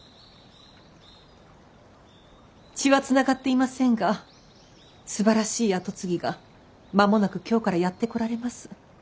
血は繋がっていませんがすばらしい跡継ぎが間もなく京からやって来られます。